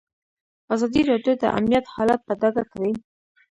ازادي راډیو د امنیت حالت په ډاګه کړی.